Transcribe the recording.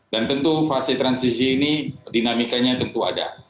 dan tentu fase transisi ini dinamikanya tentu ada